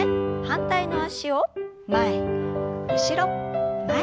反対の脚を前後ろ前。